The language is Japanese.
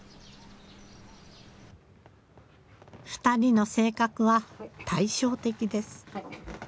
２人の性格は対照的です。